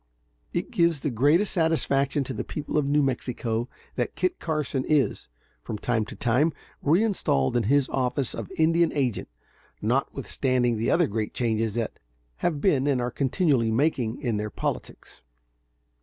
It gives the greatest satisfaction to the people of New Mexico that Kit Carson is, from time to time, reinstalled in his office of Indian agent, notwithstanding the other great changes that have been and are continually making in their politics.